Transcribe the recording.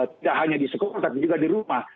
tidak hanya di sekolah tapi juga di rumah